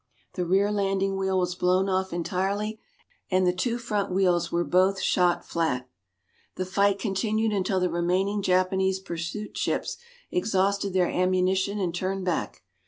The rear landing wheel was blown off entirely, and the two front wheels were both shot flat. The fight continued until the remaining Japanese pursuit ships exhausted their ammunition and turned back.